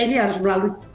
ini harus melalui